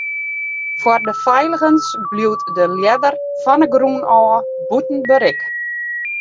Foar de feiligens bliuwt de ljedder fan 'e grûn ôf bûten berik.